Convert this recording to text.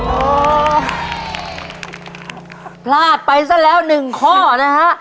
โอ้ผลาดไปซะแล้ว๑ข้อนะฮะ